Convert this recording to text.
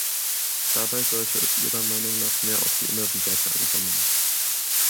Dabei sollte es ihrer Meinung nach mehr auf die inneren Werte ankommen.